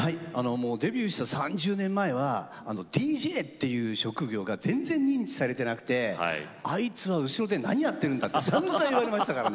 デビューした３０年前はＤＪという職業が全然、認知されたなくてあいつは後ろで何をやっているんだ？とさんざん言われました。